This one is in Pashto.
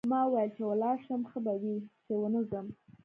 ما وویل چې ولاړ شم ښه به وي چې ونه ځم.